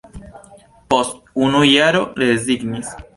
Post unu jaro rezignis.